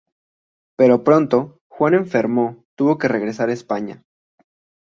Pero pronto, Juan, enfermo, tuvo que regresar a España.